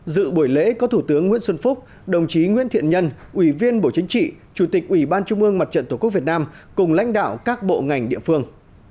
dự buổi lễ có thủ tướng nguyễn xuân phúc đồng chí nguyễn thiện nhân ủy viên bộ chính trị chủ tịch ủy ban trung ương mặt trận tổ quốc việt nam cùng lãnh đạo các bộ ngành địa phương